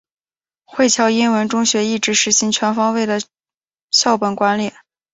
惠侨英文中学一直实行全方位的校本管理。